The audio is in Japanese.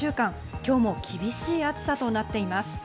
今日も厳しい暑さとなっています。